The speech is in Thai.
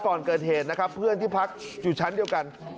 ก่อนเกิดเหตุนะครับเพื่อนที่พักอยู่ชั้นเดียวกัน